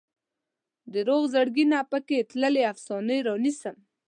د روغ زړګي نه پکې تللې افسانې رانیسم